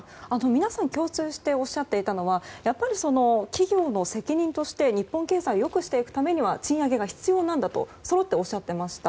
皆さん共通しておっしゃっていたのは企業の責任として日本経済をよくしていくためには賃上げが必要だとおっしゃっていました。